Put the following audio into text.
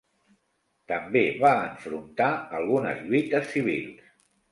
També va enfrontar algunes lluites civils.